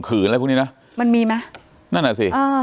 คืนอะไรพวกนี้นะมันมีมั้ยนั่นแหละสิอ้อ